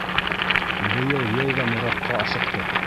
Быйыл йәй ҙә Мораҡҡа ашыҡтыҡ.